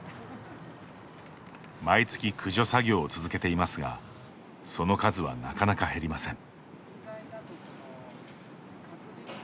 毎月駆除作業を続けていますがその数はなかなか減りません。